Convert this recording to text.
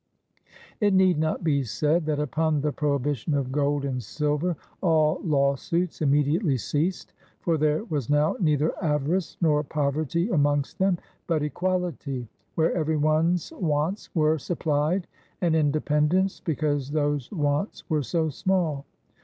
It need not be said, that upon the prohibition of gold 52 HOW THE SPARTAN BOYS WERE TRAINED and silver, all lawsuits immediately ceased, for there was now neither avarice nor poverty amongst them, but equality, where every one's wants were supplied, and in dependence, because those wants were so small.